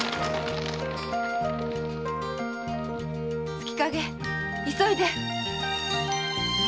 「月影」急いで！